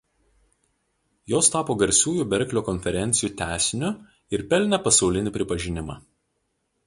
Jos tapo garsiųjų Berklio konferencijų tęsiniu ir pelnė pasaulinį pripažinimą.